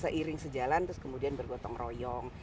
seiring sejalan terus kemudian bergotong royong